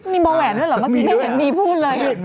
มีมอแหวนแล้วเหรอเมื่อกี้เห็นมีพูดเลย